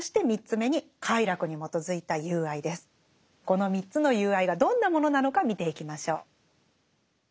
この３つの友愛がどんなものなのか見ていきましょう。